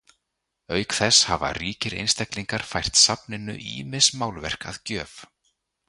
Auk þess hafa ríkir einstaklingar fært safninu ýmis málverk að gjöf.